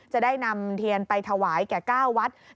จะได้นำเทียนไปถวายแก่๙วัด